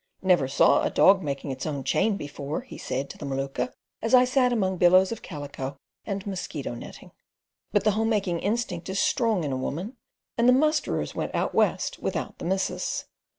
"Never saw a dog makin', its own chain before," he said to the Maluka as I sat among billows of calico and mosquito netting. But the homemaking instinct is strong in a woman, and the musterers went out west without the missus.